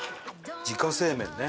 自家製麺ね。